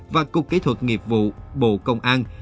và cục kỹ thuật nghiệp vụ bộ công an